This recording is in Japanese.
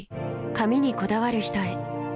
髪にこだわる人へ。